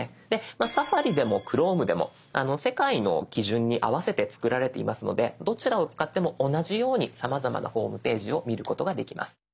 「Ｓａｆａｒｉ」でも「Ｃｈｒｏｍｅ」でも世界の基準に合わせて作られていますのでどちらを使っても同じようにさまざまなホームページを見ることができます。